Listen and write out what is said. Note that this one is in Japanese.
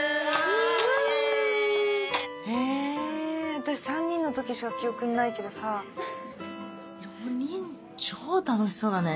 私３人の時しか記憶にないけどさ４人超楽しそうだね。